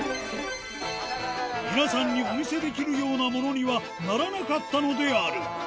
皆さんにお見せできるようなものにはならなかったのである。